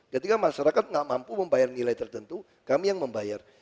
ketika masyarakat tidak mampu membayar nilai tertentu kami yang membayar